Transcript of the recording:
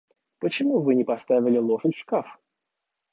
Почему Вы не поставили лошадь в шкаф?